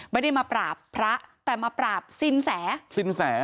ไม่ได้มาปราบพระแต่มาปราบสินแสสินแส